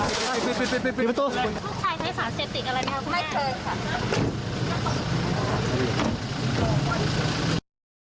ถุยน้ำไรใส่แบบทีมข่าว